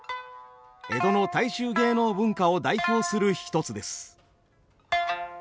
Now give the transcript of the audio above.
江戸の大衆芸能文化を代表する一つです。